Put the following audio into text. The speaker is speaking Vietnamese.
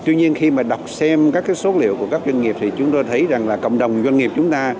tuy nhiên khi mà đọc xem các số liệu của các doanh nghiệp thì chúng tôi thấy rằng là cộng đồng doanh nghiệp chúng ta